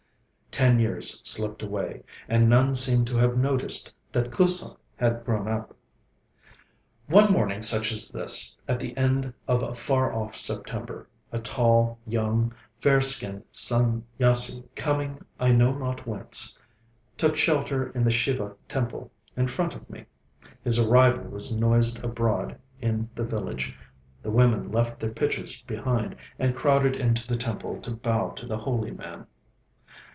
Ten years slipped away, and none seemed to have noticed that Kusum had grown up. One morning such as this, at the end of a far off September, a tall, young, fair skinned Sanyasi, coming I know not whence, took shelter in the Shiva temple, in front of me. His arrival was noised abroad in the village. The women left their pitchers behind, and crowded into the temple to bow to the holy man.